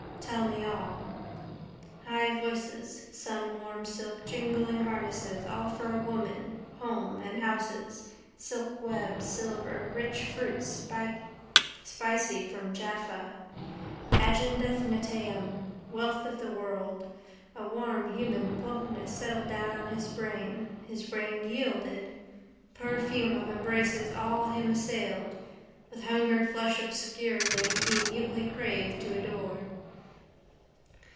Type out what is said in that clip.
Tell me all. High voices. Sunwarm silk. Jingling harnesses. All for a woman, home and houses, silkwebs, silver, rich fruits spicy from Jaffa. Agendath Netaim. Wealth of the world. A warm human plumpness settled down on his brain. His brain yielded. Perfume of embraces all him assailed. With hungered flesh obscurely, he mutely craved to adore.